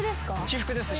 私服です。